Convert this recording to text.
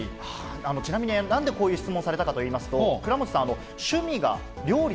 ちなみになんでこういう質問をされたかといいますと、倉持さん、えー？